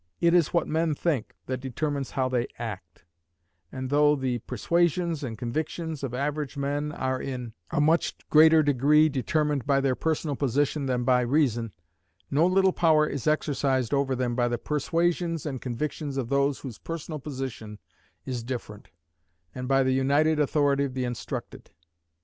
It is what men think that determines how they act; and though the persuasions and convictions of average men are in a much greater degree determined by their personal position than by reason, no little power is exercised over them by the persuasions and convictions of those whose personal position is different, and by the united authority of the instructed.